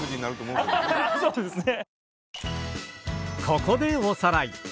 ここでおさらい！